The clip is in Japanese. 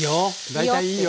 大体いいよ！